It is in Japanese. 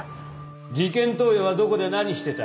事件当夜はどこで何してた。